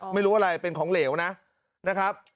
ไม่รู้อะไรเป็นของเหลวนะครับ